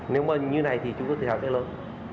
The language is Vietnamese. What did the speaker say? nếu như thế này thì chúng tôi sẽ làm thế lớn